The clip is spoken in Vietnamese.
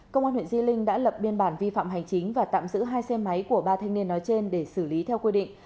công an huyện di linh đã lập biên bản vi phạm hành chính và tạm giữ hai xe máy của ba thanh niên nói trên để xử lý theo quy định